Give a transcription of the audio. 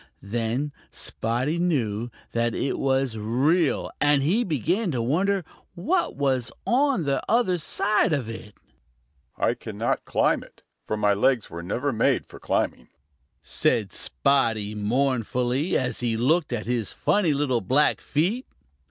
Then Spotty knew that it was real, and he began to wonder what was on the other side of it. "I cannot climb it, for my legs were never made for climbing," said Spotty mournfully as he looked at his funny little black feet.